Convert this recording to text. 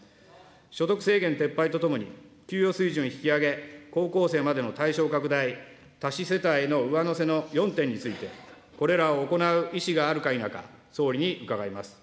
所得制限撤廃とともに、給与水準引き上げ、高校生までの対象拡大、多子世帯への上乗せの４点について、これらを行う意思があるか否か、総理に伺います。